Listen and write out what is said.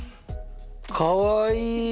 かわいい。